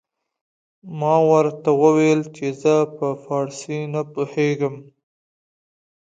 ما ورته وويل چې زه په فارسي نه پوهېږم.